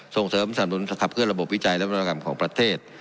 ส่งเสริมสำนุนสะขับเครื่องระบบวิจัยและวินวัตกรรมของประเทศ